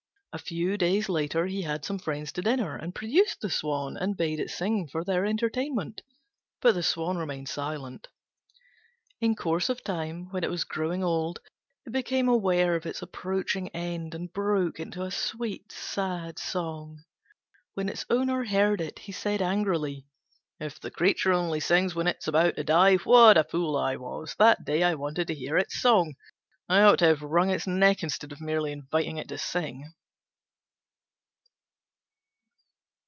A few days later he had some friends to dinner, and produced the Swan, and bade it sing for their entertainment: but the Swan remained silent. In course of time, when it was growing old, it became aware of its approaching end and broke into a sweet, sad song. When its owner heard it, he said angrily, "If the creature only sings when it is about to die, what a fool I was that day I wanted to hear its song! I ought to have wrung its neck instead of merely inviting it to sing."